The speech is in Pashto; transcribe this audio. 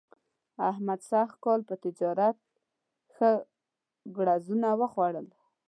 احمد سږ کال په تجارت ښه ګړزونه وخوړل.